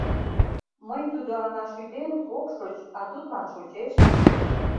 Мый тудо аҥаш ӱдем, ок шоч, а тудлан шочеш.